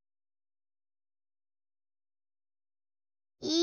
い。